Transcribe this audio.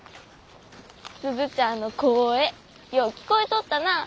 鈴ちゃんの声よう聞こえとったなあ。